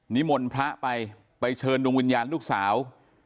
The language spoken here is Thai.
นิมนต์พระไปไปเชิญดวงวิญญาณลูกสาว